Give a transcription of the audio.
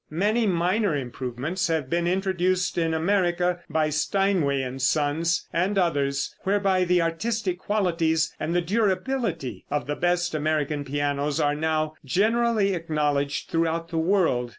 Many minor improvements have been introduced in America by Steinway & Sons and others, whereby the artistic qualities and the durability of the best American pianos are now generally acknowledged throughout the world.